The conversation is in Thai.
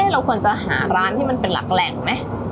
เราควรจะหาร้านที่มันเป็นหลักแหล่งไหม